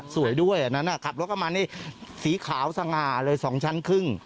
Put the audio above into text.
สวยด้วยอันนั้นขับรถเข้ามานี่สีขาวสง่าเลย๒ชั้นครึ่ง